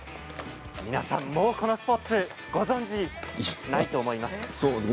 皆さん、もうこのスポーツご存じないと思います。